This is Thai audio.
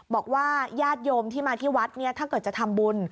บอกว่าญาติโยมที่มาที่วัดเนี่ยถ้าเกิดจะทำบุญ